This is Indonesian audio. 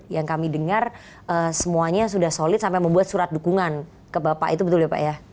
yang kami dengar semuanya sudah solid sampai membuat surat dukungan ke bapak itu betul ya pak ya